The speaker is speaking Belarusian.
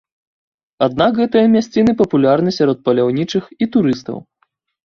Аднак гэтыя мясціны папулярны сярод паляўнічых і турыстаў.